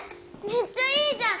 めっちゃいいじゃん！